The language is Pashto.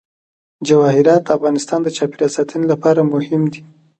جواهرات د افغانستان د چاپیریال ساتنې لپاره مهم دي.